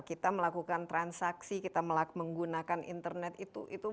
kita melakukan transaksi kita menggunakan internet itu